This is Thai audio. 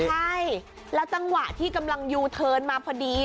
ใช่แล้วจังหวะที่กำลังยูเทิร์นมาพอดี